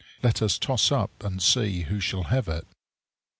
Let us toss up and see who shall have it!